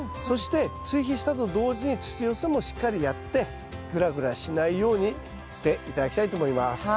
そして追肥したと同時に土寄せもしっかりやってぐらぐらしないようにして頂きたいと思います。